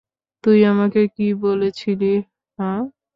তুই আমাকে কী বলেছিলি, হাহ?